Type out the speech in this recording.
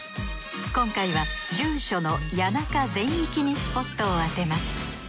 今回は住所の谷中全域にスポットを当てます。